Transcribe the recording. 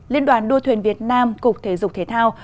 liên đoàn đua thuyền việt nam cục thể dục thể thao